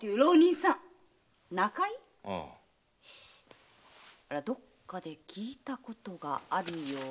いやどっかで聞いたことがあるような？